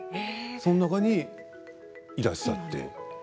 その中にいらっしゃって。